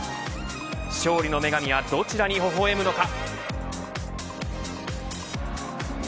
勝利の女神はどちらにほほ笑むのか。